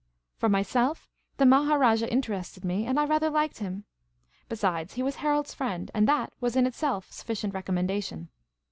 ' For myself, the Maharajah interested me, and I rather liked him. Besides, he was Harold's friend, and that was in itself sufficient recommendation.